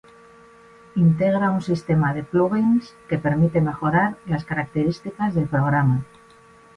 Integra un sistema de "plug-in's" que permite mejorar las características del programa.